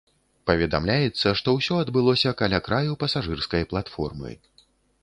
Паведамляецца, што ўсё адбылося каля краю пасажырскай платформы.